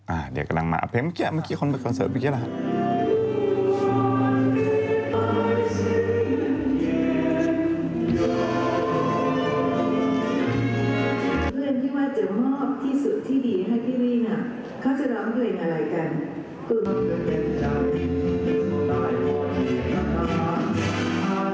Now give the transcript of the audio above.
อ่าเดี๋ยวกำลังมาเพลงเพลงเมื่อกี้อ่ะเมื่อกี้คนไปคอนเสิร์ตเมื่อกี้แล้ว